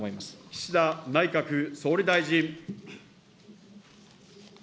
岸田内閣総理大臣。